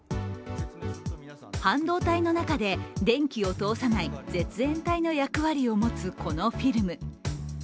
半導体の中で電気を通さない絶縁体の役割を持つこのフィルム。